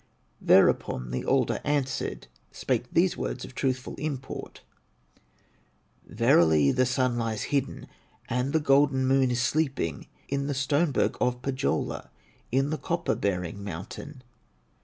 Thereupon the alder answered, Spake these words of truthful import: "Verily the Sun lies hidden And the golden Moon is sleeping In the stone berg of Pohyola, In the copper bearing mountain."